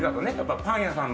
パン屋さんの。